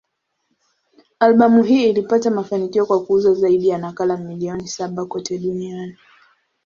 Albamu hii ilipata mafanikio kwa kuuza zaidi ya nakala milioni saba kote duniani.